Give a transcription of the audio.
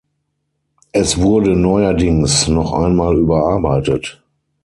Es wurde neuerdings noch einmal überarbeitet.